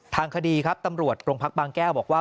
ทางคดีครับตำรวจโรงพักบางแก้วบอกว่า